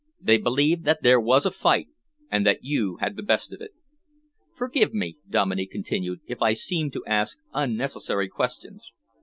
They believe that there was a fight and that you had the best of it." "Forgive me," Dominey continued, "if I seem to ask unnecessary questions.